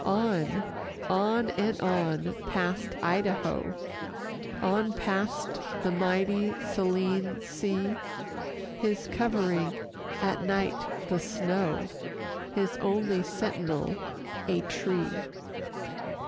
On, on and on, past Idaho, On past the mighty Saline sea, His covering at night the snow, His only sentinel a tree.